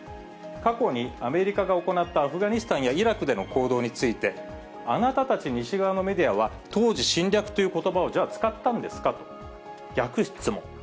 過去にアメリカが行ったアフガニスタンやイラクでの行動について、あなたたち、西側のメディアは当時、侵略ということばをじゃあ使ったんですかと、逆質問。